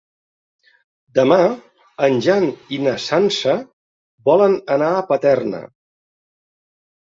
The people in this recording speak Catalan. Demà en Jan i na Sança volen anar a Paterna.